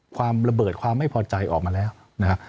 ความระเบิดความไม่พอใจออกมาแล้วนะครับ